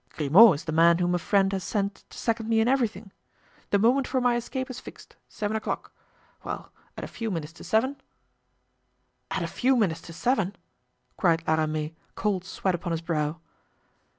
Grimaud is the man whom a friend has sent to second me in everything. The moment for my escape is fixed—seven o'clock. Well, at a few minutes to seven——" "At a few minutes to seven?" cried La Ramee, cold sweat upon his brow.